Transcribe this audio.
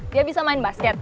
dia bisa main basket